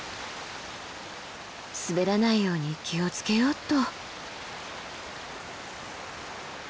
滑らないように気を付けようっと。